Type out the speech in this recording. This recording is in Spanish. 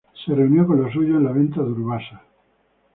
Se reunió con los suyos en la venta de Urbasa.